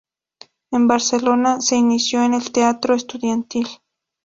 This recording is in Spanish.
En Barcelona se inició en el teatro estudiantil.